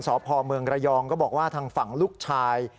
สพเมืองระยองก็บอกว่าทางฝั่งลูกชาย